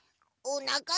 おなか？